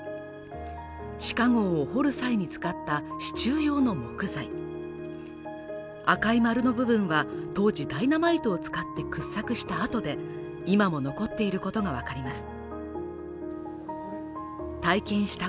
地下壕を掘る際に使った支柱用の木材赤い丸の部分は当時ダイナマイトを使って掘削した跡で今も残っていることが分かります